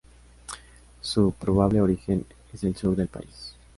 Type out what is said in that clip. Su probable origen es el sur del país.